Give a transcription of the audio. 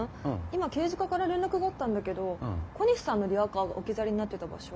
今刑事課から連絡があったんだけど小西さんのリアカーが置き去りになってた場所。